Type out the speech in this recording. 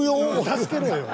助けろよ。